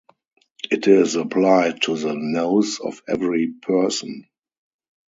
It is applied to the nose of every person.